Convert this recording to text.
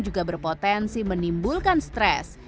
juga berpotensi menimbulkan stres